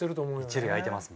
一塁空いてます